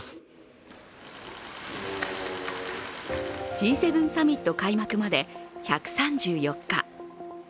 Ｇ７サミット開幕まで１３４日。